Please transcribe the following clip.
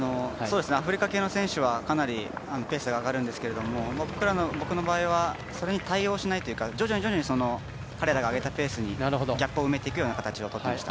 アフリカ系の選手はかなりペースが上がるんですけど僕の場合はそれに対応しないというか徐々に彼らが上げたペースにギャップを埋めていく形を取っていました。